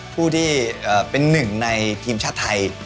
ผู้ที่เป็นหนึ่งในทีมชาติไทย